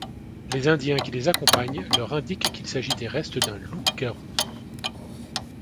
Les Indiens qui les accompagnent leur indiquent qu'il s'agit des restes d'un loup-garou.